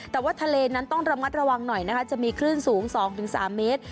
แต่ว่าทะเลนั้นต้องระมัดระวังหน่อยนะคะจะมีคลื่นสูง๒๓เมตร